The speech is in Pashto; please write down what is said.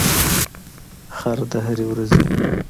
خر د هري ورځي